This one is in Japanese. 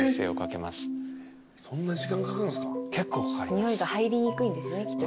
匂いが入りにくいんですねきっと。